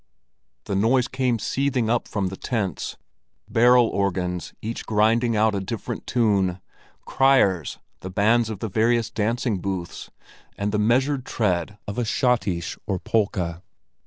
The noise came seething up from the tents—barrel organs each grinding out a different tune, criers, the bands of the various dancing booths, and the measured tread of a schottische or polka.